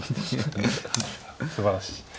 すばらしい。